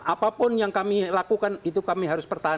apapun yang kami lakukan itu kami harus pertahankan